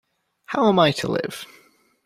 How am I to live?